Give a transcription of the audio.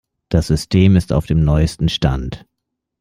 Das System ist auf dem neuesten Stand.